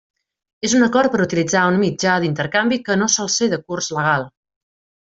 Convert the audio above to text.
És un acord per utilitzar un mitjà d'intercanvi que no sol ser de curs legal.